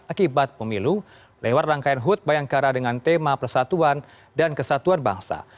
akibat pemilu lewat rangkaian hut bayangkara dengan tema persatuan dan kesatuan bangsa